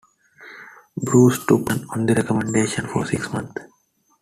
Bruce took no action on the recommendations for six months.